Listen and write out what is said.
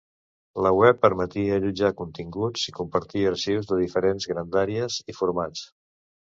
La web permetia allotjar continguts i compartir arxius de diferents grandàries i formats.